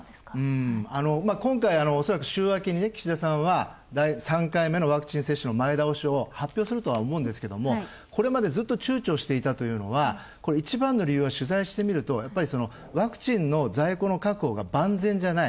今回、恐らく週明けに岸田さんは３回目のワクチン接種の前倒しを発表するとは思うんですけど、これまでずっとちゅうちょしていたというのは一番の理由は取材してみると、ワクチンの在庫の確保が万全じゃない。